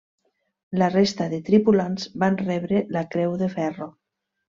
La resta de tripulants van rebre la creu de ferro.